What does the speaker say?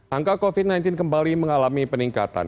angka covid sembilan belas kembali mengalami peningkatan